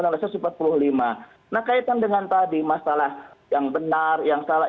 nah kaitan dengan tadi masalah yang benar yang salah